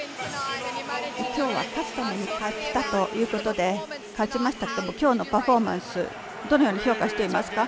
勝つために来たということで勝ちましたけども今日のパフォーマンスをどのように評価していますか？